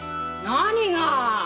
何が？